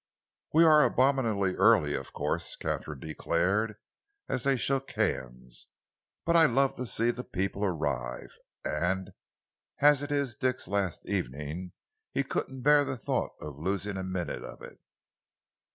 "We are abominably early, of course," Katharine declared, as they shook hands, "but I love to see the people arrive, and as it is Dick's last evening he couldn't bear the thought of losing a minute of it."